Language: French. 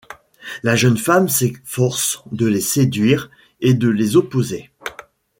La jeune femme s'efforce de les séduire et de les opposer.